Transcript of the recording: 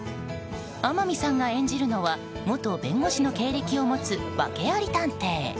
天海さんが演じるのは元弁護士の経歴を持つワケあり探偵。